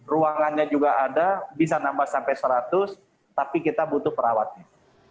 ruangannya juga ada bisa nambah sampai seratus tapi kita butuh perawatnya